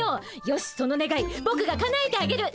よしそのねがいぼくがかなえてあげる。